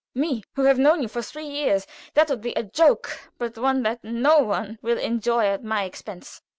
"Me, who have known you for three years. That would be a joke, but one that no one will enjoy at my expense."